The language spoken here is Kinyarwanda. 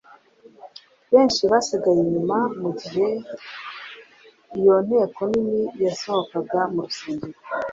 Benshi basigaye inyuma mu gihe iyo nteko nini yasohokaga mu rusengero,